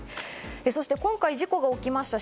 そして今回事故が起きました